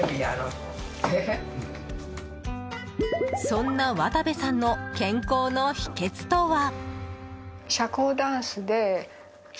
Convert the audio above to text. そんな渡部さんの健康の秘訣とは？